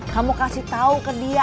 kamu kasih tahu ke dia